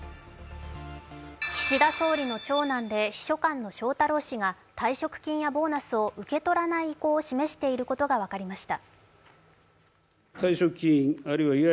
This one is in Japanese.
岸田総理の長男で秘書官の翔太郎氏が退職金やボーナスを受け取らない意向を示していることが分かりました。